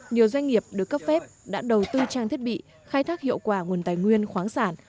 nhiều doanh nghiệp được cấp phép đã đầu tư trang thiết bị khai thác hiệu quả nguồn tài nguyên khoáng sản